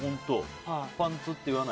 パンツって言わない？